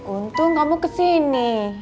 untung kamu kesini